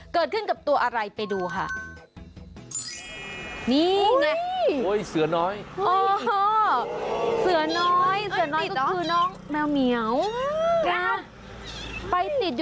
เกิดขึ้นกับตัวอะไรปะไป